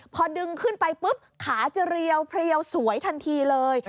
พอดึงขึ้นไปปุ๊บขาจะเรียวเพรียวสวยทันทีเลย